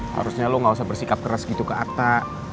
harusnya lo gak usah bersikap keras gitu ke atta